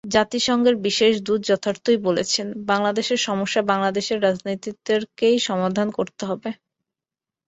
জাতিসংঘের বিশেষ দূত যথার্থই বলেছেন, বাংলাদেশের সমস্যা বাংলাদেশের রাজনীতিকদেরই সমাধান করতে হবে।